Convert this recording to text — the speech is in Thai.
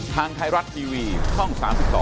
ทางไทยรัฐทีวีช่อง๓๒